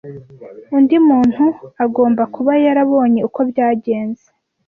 Undi muntu agomba kuba yarabonye uko byagenze.